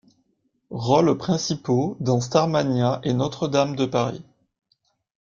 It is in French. Rôles principaux dans Starmania et Notre-Dame de Paris.